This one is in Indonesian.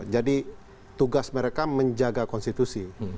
jadi tugas mereka menjaga konstitusi